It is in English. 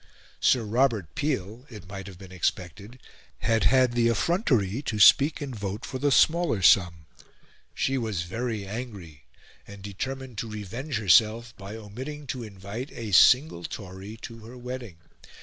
Sir Robert Peel it might have been expected had had the effrontery to speak and vote for the smaller sum. She was very angry; and determined to revenge herself by omitting to invite a single Tory to her wedding.